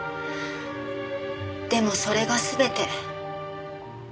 でもそれが全て。